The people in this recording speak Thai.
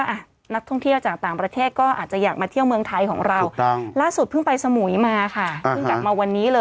อันเก่าก็ยังไม่เคลียร์